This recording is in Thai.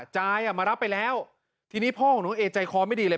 จายอ่ะมารับไปแล้วทีนี้พ่อของน้องเอใจคอไม่ดีเลย